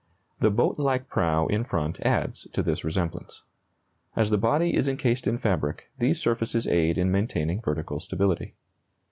The boat like prow in front adds to this resemblance. As the body is encased in fabric, these surfaces aid in maintaining vertical stability.